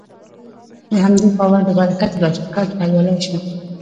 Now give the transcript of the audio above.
د همدې باور له برکته دا شرکت بریالی شو.